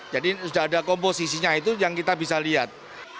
jadi sudah ada komposisinya itu yang kita bisa lihat